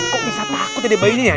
kok bisa takut ya di bayinya ya